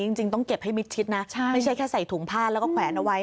จริงต้องเก็บให้มิดชิดนะไม่ใช่แค่ใส่ถุงผ้าแล้วก็แขวนเอาไว้